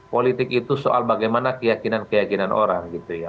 politik itu soal bagaimana keyakinan keyakinan orang gitu ya